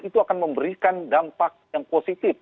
itu akan memberikan dampak yang positif